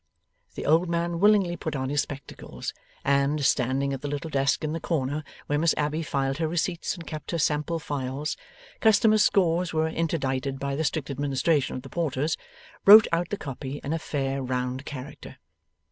The old man willingly put on his spectacles, and, standing at the little desk in the corner where Miss Abbey filed her receipts and kept her sample phials (customers' scores were interdicted by the strict administration of the Porters), wrote out the copy in a fair round character.